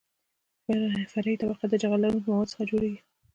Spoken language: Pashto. فرعي طبقه د جغل لرونکو موادو څخه جوړیږي